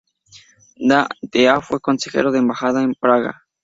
De a fue consejero de embajada en Praga.